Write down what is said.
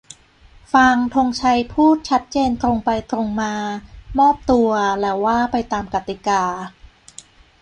ฟัง ธงชัย พูด ชัดเจน ตรงไปตรงมา "มอบตัว" แล้วว่าไปตามกติกา